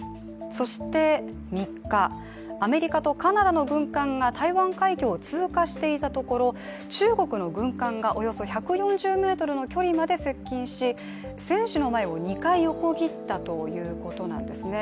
そして３日、アメリカとカナダの軍艦が台湾海峡を通過していたところ、中国の軍艦がおよそ１４０ｍの距離まで接近し船首の前を２階横切ったということなんです。